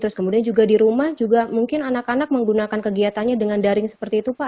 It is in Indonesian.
terus kemudian juga di rumah juga mungkin anak anak menggunakan kegiatannya dengan daring seperti itu pak